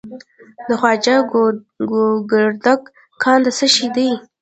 د خواجه ګوګردک کان د څه شي دی؟